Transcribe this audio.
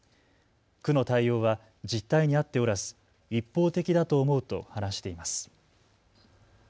区の対応は実態に合っておらず一方的だと思うと話しています。